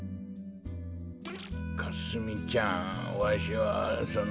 かすみちゃんわしはその。